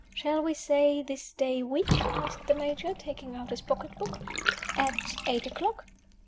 Shall we say this day week," asked the Major, taking out his pocketbook, "at eight o'clock?"